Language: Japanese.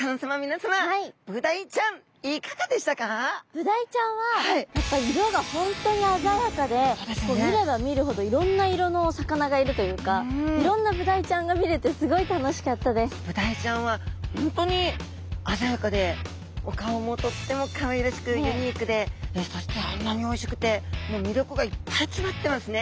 ブダイちゃんはやっぱり色が本当に鮮やかで見れば見るほどいろんな色のお魚がいるというかブダイちゃんは本当に鮮やかでお顔もとってもかわいらしくユニークでそしてあんなにおいしくてもう魅力がいっぱい詰まってますね。